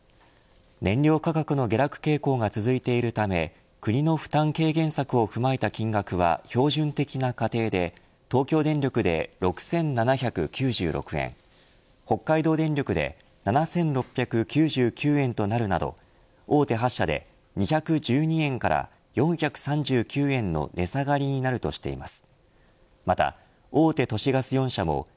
燃料価格の下落傾向が続いているため国の負担軽減策を踏まえた金額は標準的な家庭で東京電力で６７９６円北海道電力で７６９９円となるなど大手８社で２１２円から４３９円の値下がりになるとしています。